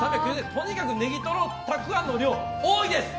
とにかくネギトロ、たくあんの量多いです！